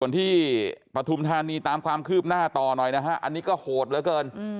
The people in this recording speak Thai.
ส่วนที่ปฐุมธานีตามความคืบหน้าต่อหน่อยนะฮะอันนี้ก็โหดเหลือเกิน